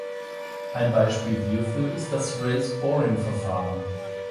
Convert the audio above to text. Ein Beispiel hierfür ist das Raise-boring-Verfahren.